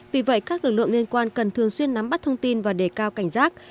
vì vậy các lực lượng liên quan cần thường xuyên nắm bắt thông tin và đề cao cảnh giác